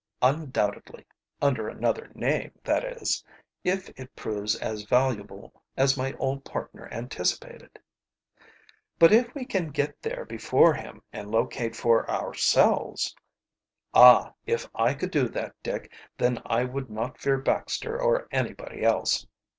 "Undoubtedly under another name that is, if it proves as valuable as my old partner anticipated." "But if we can get there before him and locate for ourselves?" "Ah, if I could do that, Dick, then I would not fear Baxter or anybody else.